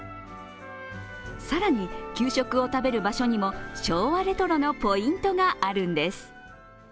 更に、給食を食べる場所にも昭和レトロのポイントがあるんです。